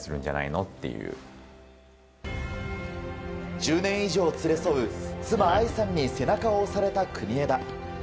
１０年以上連れ添う妻・愛さんに背中を押された国枝。